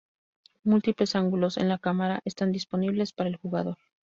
Múltiples ángulos en la cámara están disponibles para el jugador.